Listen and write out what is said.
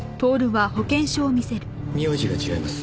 名字が違います。